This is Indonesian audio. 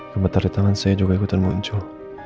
gemetar di tangan saya juga ikutan muncul